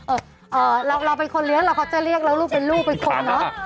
เอ่อเราเป็นคนเลี้ยงเราเขาจะเรียกเราลูกเป็นลูกเป็นคนเนอะ